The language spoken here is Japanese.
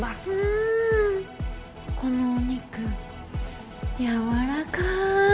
んこのお肉やわらかい。